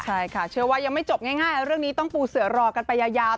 ใช่ค่ะเชื่อว่ายังไม่จบง่ายเรื่องนี้ต้องปูเสือรอกันไปยาว